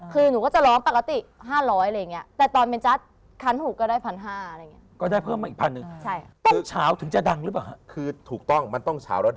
คือหนูก็จะร้องปกติ๕๐๐อย่างเงี้ยแต่ตอนเป็นจ๊ะคันหูก็ได้๑๕๐๐บาท